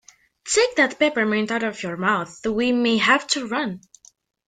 Take that peppermint out of your mouth, we may have to run.